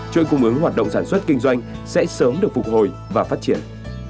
chuỗi cung ứng hoạt động sản xuất kinh doanh sẽ sớm được phục hồi và phát triển